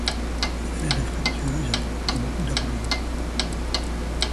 L'affaire est fructueuse et rapporte beaucoup d'argent.